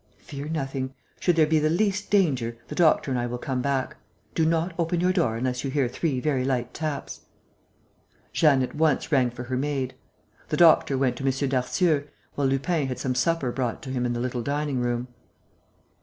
"Fear nothing. Should there be the least danger, the doctor and I will come back. Do not open your door unless you hear three very light taps." Jeanne at once rang for her maid. The doctor went to M. Darcieux, while Lupin had some supper brought to him in the little dining room.